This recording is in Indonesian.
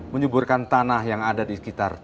menyuburkan tanah yang ada di sekitar